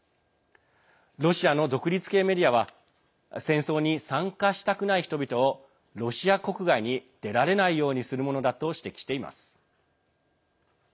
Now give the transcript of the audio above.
ロシアの独立系メディアは戦争に参加したくない人々をロシア国外に出られないようにするものだと指摘しています。